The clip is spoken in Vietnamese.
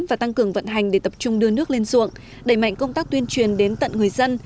và tăng cường vận hành để tập trung đưa nước lên ruộng đẩy mạnh công tác tuyên truyền đến tận người dân